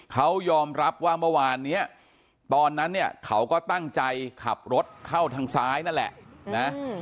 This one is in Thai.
เขายอมรับว่าเมื่อวานเนี่ยตอนนั้นเนี่ยเขาก็ตั้งใจขับรถเข้าทางซ้ายนั่นแหละนะ